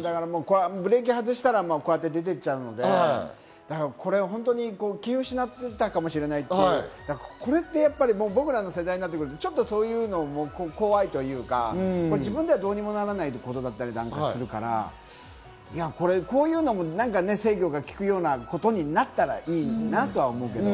ブレーキ外したらこうやって出て行っちゃうので、気を失っていたかもしれないということ、これはやっぱり僕らの世代になると、そういうのも怖いというか自分ではどうにもならないことだったりするから、こういうのも制御がきくようなことになったらいいのになとは思うけど。